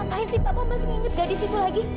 apaan sih papa masih nginget gadis itu lagi